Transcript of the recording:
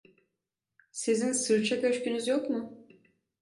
Sizin sırça köşkünüz yok mu?